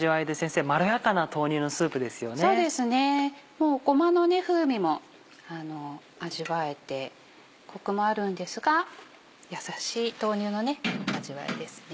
もうごまの風味も味わえてコクもあるんですが優しい豆乳の味わいですね。